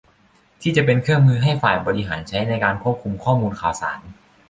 ที่จะเป็นเครื่องมือให้ฝ่ายบริหารใช้ในการควบคุมข้อมูลข่าวสาร